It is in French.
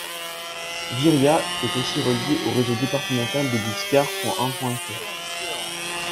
Viriat est aussi reliée au réseau départemental des bus car.ain.fr.